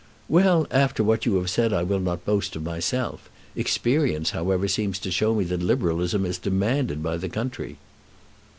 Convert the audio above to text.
"Well; after what you have said I will not boast of myself. Experience, however, seems to show me that Liberalism is demanded by the country."